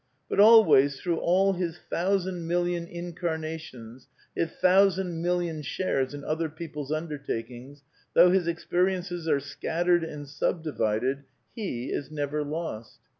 But always, through all his thousand million incarna tions, his thousand million shares in other people's under takings, though his experiences are scattered and sub divided, he is never lost.